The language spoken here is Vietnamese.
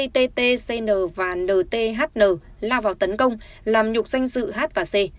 ttcn và nthn lao vào tấn công làm nhục danh dự h và c